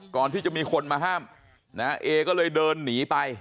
ก่อนที่จะมีคนมาห้ามนะเอก็เลยเดินหนีไป